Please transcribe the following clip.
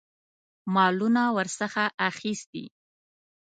مالونه ورڅخه اخیستي.